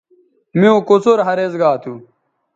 میوں کوڅر ھریز گا تھو